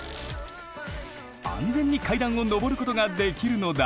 安全に階段を上ることができるのだ。